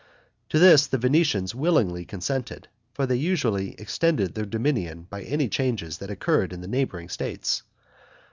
To this the Venetians willingly consented, for they usually extended their dominion by any changes that occurred in the neighboring states.